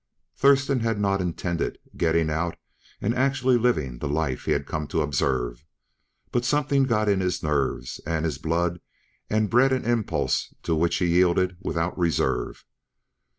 Thurston had not intended getting out and actually living the life he had come to observe, but something got in his nerves and his blood and bred an impulse to which he yielded without reserve.